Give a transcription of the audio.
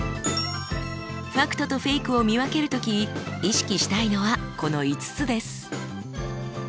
ファクトとフェイクを見分ける時意識したいのはこの５つです。